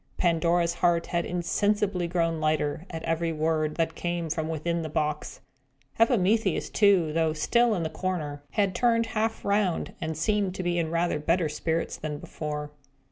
Pandora's heart had insensibly grown lighter, at every word that came from within the box. Epimetheus, too, though still in the corner, had turned half round, and seemed to be in rather better spirits than before.